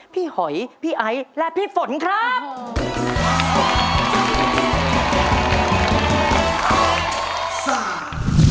พี่หอยพี่ไอและพี่ฝนครับ